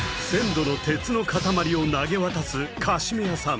℃の鉄の塊を投げ渡すカシメ屋さん